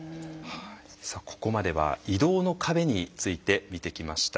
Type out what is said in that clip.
さあここまでは移動の壁について見てきました。